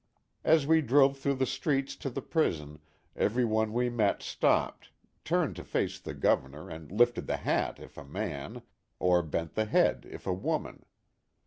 As we drove through the streets to the prison every one we met stopped, turned to face the Gover nor and lifted the hat, if a man, or bent the l6o THE HAT OF THE POSTMASTER. head if a woman.